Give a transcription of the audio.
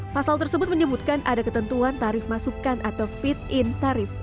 pasal tersebut menyebutkan ada ketentuan tarif masukan atau fit in tarif